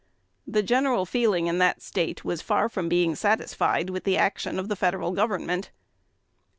The general feeling in that State was far from being satisfied with the action of the Federal Government.